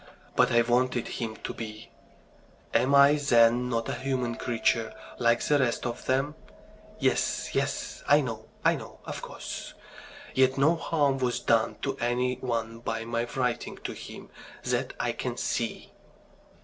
"But I wanted him to be... Am I then not a human creature like the rest of them? Yes, yes, I know, I know, of course... Yet no harm was done to any one by my writing to him that I can see..."